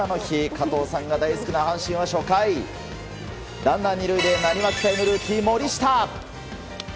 加藤さんが大好きな阪神は初回ランナー２塁でなにわ期待のルーキー、森下。